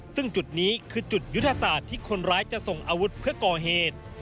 ซึ่งจุดนี้คือจุดยุทธศาสตร์ที่คนร้ายจะส่งอาวุธเพื่อก่อเหตุ